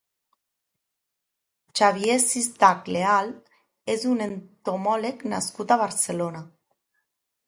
Xavier Sistach Leal és un entomòleg nascut a Barcelona.